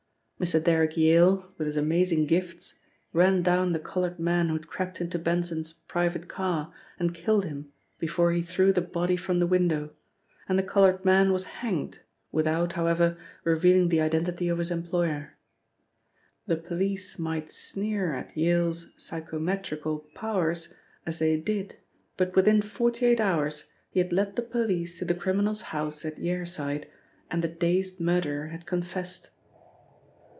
Mr. Derrick Yale, with his amazing gifts, ran down the coloured man who had crept into Benson's private car and killed him before he threw the body from the window, and the coloured man was hanged, without, however, revealing the identity of his employer. The police might sneer at Yale's psychometrical powers as they did but within forty eight hours he had led the police to the criminal's house at Yareside and the dazed murderer had confessed.